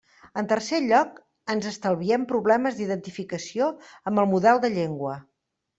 En tercer lloc, ens estalviem problemes d'identificació amb el model de llengua.